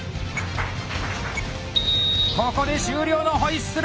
ここで終了のホイッスル！